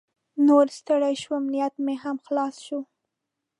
نوره ستړې شوم، نیټ مې هم خلاص شو.